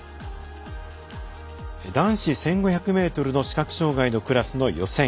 男子１５００ｍの視覚障がいのクラスの予選。